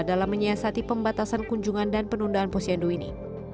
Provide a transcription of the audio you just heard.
dalam menyiasati pembatasan kunjungan dan penundaan posyandu ini